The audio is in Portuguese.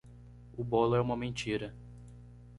O bolo é uma mentira.